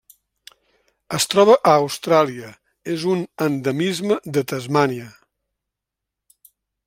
Es troba a Austràlia: és un endemisme de Tasmània.